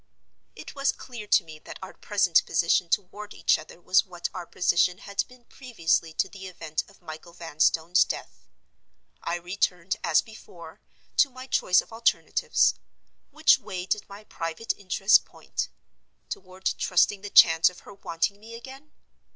It was clear to me that our present position toward each other was what our position had been previously to the event of Michael Vanstone's death. I returned, as before, to my choice of alternatives. Which way did my private interests point? Toward trusting the chance of her wanting me again?